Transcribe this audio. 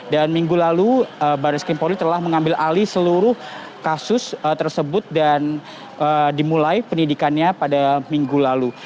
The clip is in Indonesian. dan minggu lalu barres vimpori telah mengambil ahli seluruh kasus tersebut dan dimulai pendidikannya pada minggu lalu